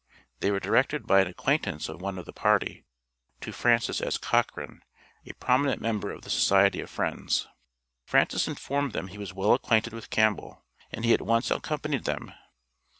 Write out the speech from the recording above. They were directed by an acquaintance of one of the party, to Francis S. Cochran, a prominent member of the Society of Friends. Francis informed them he was well acquainted with Campbell, and he at once accompained them.